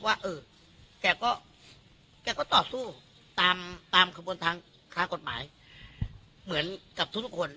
ว่าเออแกก็ต่อสู้ตามกระบวนทางกฎหมายเหมือนกับทุกคน